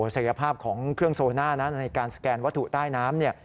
สักอย่าภาพของเครื่องโซน่าในการสแกนวัตถุใต้น้ำ